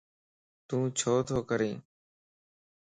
تو ڇو تو ڪرين؟